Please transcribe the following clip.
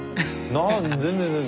な全然全然。